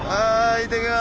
行ってきます！